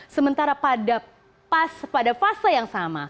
sementara pada fase yang sama